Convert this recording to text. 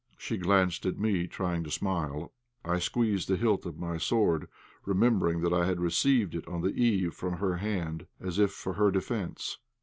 She glanced at me, trying to smile. I squeezed the hilt of my sword, remembering that I had received it the eve from her hand, as if for her defence.